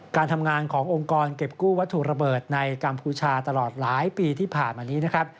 การทำงานขององค์กรเก็บกู้วัตถุระเบิดในกัมพูชาตลอดหลายปีที่ผ่านมานี้นะครับ